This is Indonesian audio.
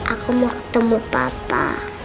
aku mau ketemu papa